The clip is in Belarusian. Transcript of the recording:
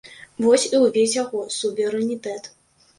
Вось і ўвесь яго суверэнітэт.